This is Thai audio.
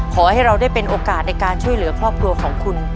ขอให้เราได้เป็นโอกาสในการช่วยเหลือครอบครัวของคุณ